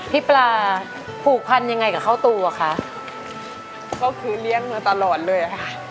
พี่ปลาผูกพันยังไงกับข้าวตูอ่ะคะก็คือเลี้ยงมาตลอดเลยค่ะ